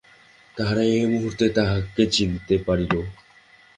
তাহারা এক মুহূর্তেই তাহাকে চিনিতে পারিল।